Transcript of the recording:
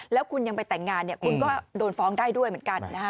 แล้วคุณยังไปแต่งงานคุณก็โดนฟ้องได้ด้วยเหมือนกันนะฮะ